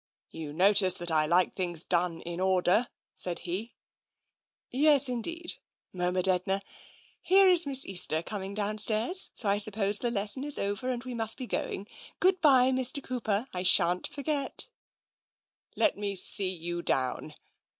" You notice that I like things done in order ?" said he. " Yes, indeed," murmured Edna. " Here is Miss Easter coming downstairs, so I suppose the lesson is over, and we must be going. Good bye, Mr. Cooper — I shan't forget.'' " Let me see you down.